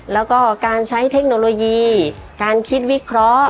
แล้วก็การใช้เทคโนโลยีการคิดวิเคราะห์